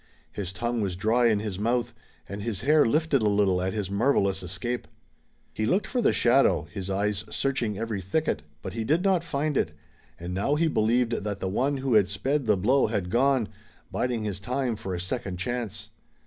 His tongue was dry in his mouth, and his hair lifted a little at his marvelous escape. He looked for the shadow, his eyes searching every thicket; but he did not find it, and now he believed that the one who had sped the blow had gone, biding his time for a second chance.